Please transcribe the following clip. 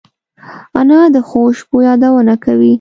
انا د ښو شپو یادونه کوي